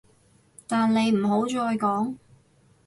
但你唔好再講